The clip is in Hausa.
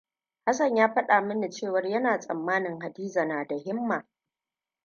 Hassan ya faɗa min cewar yana tsammanin Hadiza na da himma.